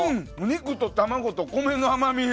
肉と卵と米の甘み。